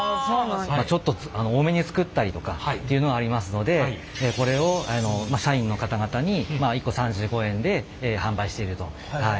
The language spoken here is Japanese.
ちょっと多めに作ったりとかっていうのがありますのでこれを社員の方々に１個３５円で販売していると。